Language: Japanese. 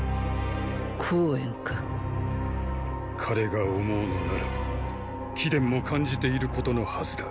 項燕か彼が思うのなら貴殿も感じていることのはずだ。